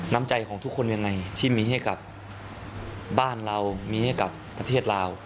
น้ำใจของทุกคนยังไงที่มีให้กับบ้านเรามีให้กับประเทศลาว